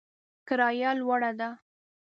کرایه لوړه ده